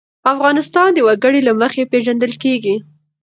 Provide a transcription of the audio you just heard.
افغانستان د وګړي له مخې پېژندل کېږي.